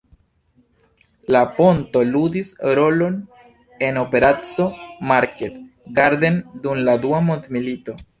La ponto ludis rolon en Operaco Market Garden dum la Dua Mondmilito.